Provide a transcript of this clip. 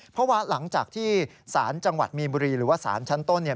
เพราะว่าหลังจากที่สารจังหวัดมีนบุรีหรือว่าสารชั้นต้นเนี่ย